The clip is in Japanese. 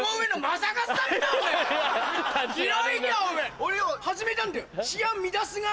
俺よ始めたんだよ。